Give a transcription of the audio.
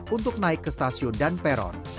untuk naik ke stasiun dan peron